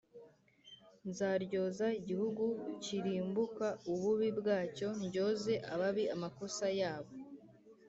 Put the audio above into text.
Nzaryoza igihugu kirumbuka ububi bwacyo ndyoze ababi amakosa yabo